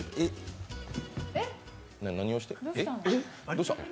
どうしたん？